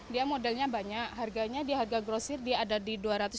dia modelnya banyak harganya di harga grosir dia ada di dua ratus